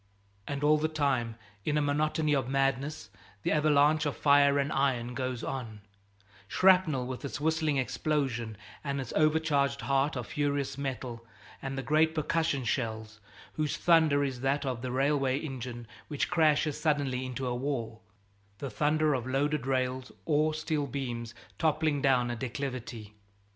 '" And all the time, in a monotony of madness, the avalanche of fire and iron goes on; shrapnel with its whistling explosion and its overcharged heart of furious metal and the great percussion shells, whose thunder is that of the railway engine which crashes suddenly into a wall, the thunder of loaded rails or steel beams, toppling down a declivity.